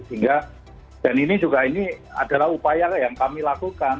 sehingga dan ini juga ini adalah upaya yang kami lakukan